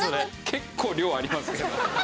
結構量ありますけど。